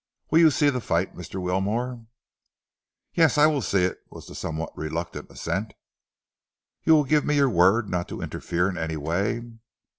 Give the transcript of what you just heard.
Will you see the fight, Mr. Wilmore?" "Yes, I will see it," was the somewhat reluctant assent. "You will give me your word not to interfere in any way?"